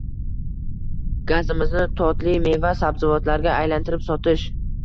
gazimizni totli meva-sabzavotlarga aylantirib sotish